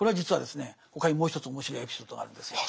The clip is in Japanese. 他にもう一つ面白いエピソードがあるんですよ。